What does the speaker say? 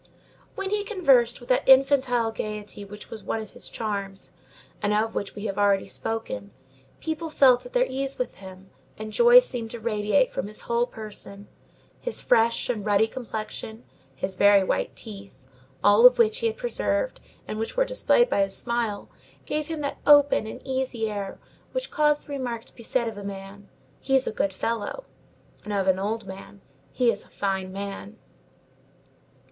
When he conversed with that infantile gayety which was one of his charms, and of which we have already spoken, people felt at their ease with him, and joy seemed to radiate from his whole person. His fresh and ruddy complexion, his very white teeth, all of which he had preserved, and which were displayed by his smile, gave him that open and easy air which cause the remark to be made of a man, "He's a good fellow"; and of an old man, "He is a fine man."